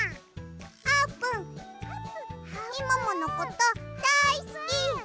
「あーぷんみもものことだいすき！」。